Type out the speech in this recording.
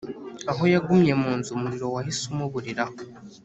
Aho yagumye mu nzu umuriro wahise umuburiraho